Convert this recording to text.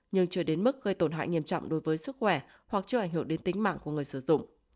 nhưng chưa đến mức gây tổn hại nghiêm trọng đối với sức khỏe hoặc chưa ảnh hưởng đến tính mạng của người sử dụng